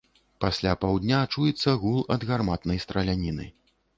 Пасля паўдня чуецца гул ад гарматнай страляніны.